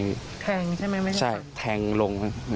แทงใช่ไหมใช่ไหมใช่ใช่แทงลง